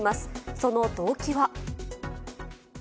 その動機は？